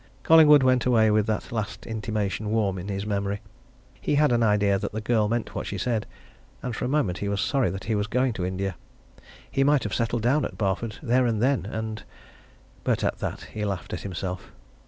Collingwood went away with that last intimation warm in his memory. He had an idea that the girl meant what she said and for a moment he was sorry that he was going to India. He might have settled down at Barford there and then, and but at that he laughed at himself.